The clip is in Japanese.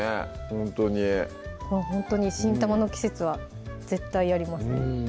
ほんとにほんとに新玉の季節は絶対やりますね